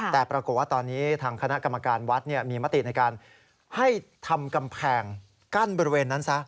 แต่ปรากฏว่าตอนนี้ทางคณะกรรมการวัดมีมติในการให้ทำกำแพงกั้นบริเวณนั้นซะ